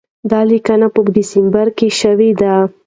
دا لیکنه په ډسمبر کې شوې ده.